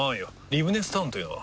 リブネスタウンというのは？